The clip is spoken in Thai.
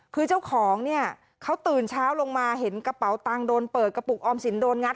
คือเจ้าของเนี่ยเขาตื่นเช้าลงมาเห็นกระเป๋าตังค์โดนเปิดกระปุกออมสินโดนงัด